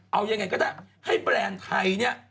เอายังไงก็ได้ให้แบรนด์ไทยเนี่ย